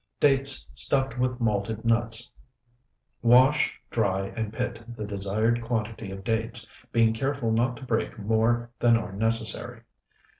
DATES STUFFED WITH MALTED NUTS Wash, dry, and pit the desired quantity of dates, being careful not to break more than are necessary.